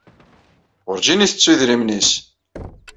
Werjin ittettu idrimen-nnes.